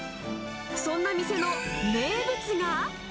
そんな店の名物が。